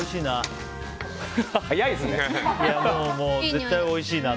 もう絶対おいしいな。